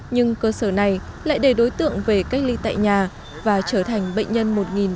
nhưng cơ sở này lại để đối tượng về cách ly tại nhà và trở thành bệnh nhân một ba trăm bốn mươi hai